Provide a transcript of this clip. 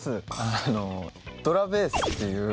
あの「ドラベース」っていう。